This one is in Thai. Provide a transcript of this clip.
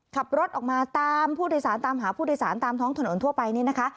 ขับรถออกมาตามผู้โดยสารตามหาผู้โดยสารตามท้องถนนทั่วไปนี่นะคะ